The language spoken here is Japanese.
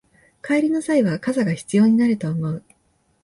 帰りの際は傘が必要になると思う